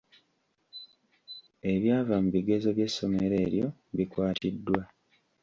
Ebyava mu bigezo by'essomero eryo bikwatiddwa.